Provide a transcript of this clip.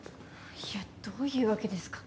いやどういうわけですか？